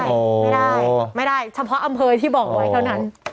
ไม่ได้ไม่ได้เฉพาะอำเภอที่บอกไว้เท่านั้น